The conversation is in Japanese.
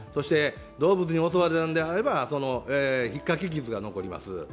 動物に襲われたんであればひっかき傷が残ります。